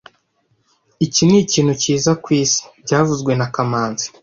Iki nikintu cyiza kwisi byavuzwe na kamanzi